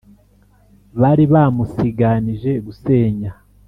bari bamusiganije gusenya